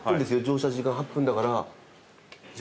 乗車時間８分だから。